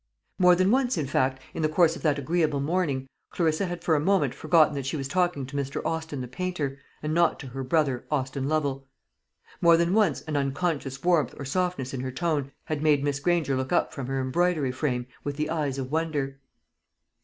More than once, in fact, in the course of that agreeable morning, Clarissa had for a moment forgotten that she was talking to Mr. Austin the painter, and not to her brother Austin Lovel. More than once an unconscious warmth or softness in her tone had made Miss Granger look up from her embroidery frame with the eyes of wonder.